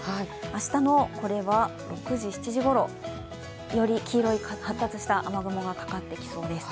明日の６時、７時ごろ、より黄色い発達した雨雲がかかってきそうです。